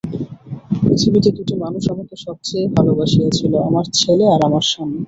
পৃথিবীতে দুটি মানুষ আমাকে সব চেয়ে ভালোবাসিয়াছিল, আমার ছেলে আর আমার স্বামী।